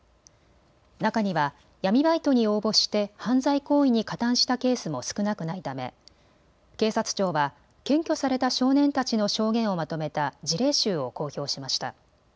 中には闇バイトに応募して犯罪行為に加担したケースも少なくないため警察庁は検挙された少年たちの証言をまとめた事例集を公表しました。